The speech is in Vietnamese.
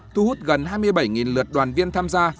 thu hút gần hai mươi bảy lượt đoàn viên tham gia